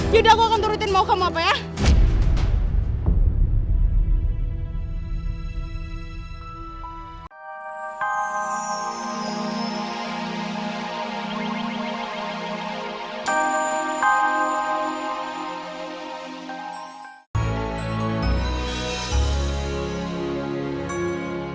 yaudah aku akan turutin mau kamu apa ya